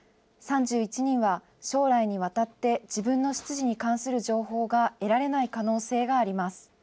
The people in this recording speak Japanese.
３１人は、将来にわたって自分の出自に関する情報が得られない可能性があります。